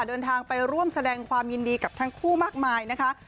เดินทางไปร่วมแสดงความยินดีกับทั้งคู่มากมายนะคะ